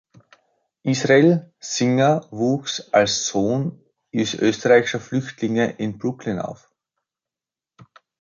Israel Singer wuchs als Sohn österreichischer Flüchtlinge in Brooklyn auf.